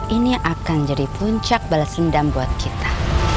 ini akan jadi puncak balas dendam buat kita